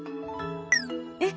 えっ！